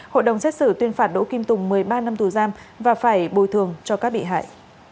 hội đồng xét xử tuyên phạt đỗ kim tùng một mươi ba năm tù giam và phải bồi thường cho các bị hại